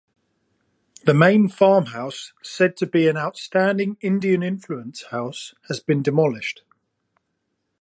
The main farmhouse, said to be an "Outstanding Indian-influence house", has been demolished.